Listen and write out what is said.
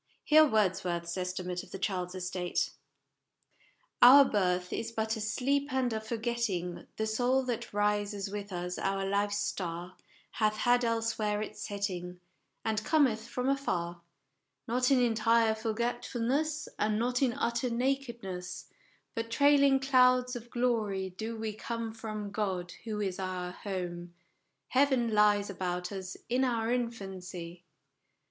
Hear Wordsworth's estimate of the child's estate : "Our birth is but a sleep and a forgetting : The soul that rises with us, our life's star, Hath had elsewhere its setting, And cometh from afar ; Not in entire forgetfulness, And not in utter nakedness, But trailing clouds of glory do we come From God, who is our home : Heaven lies about us in our infancy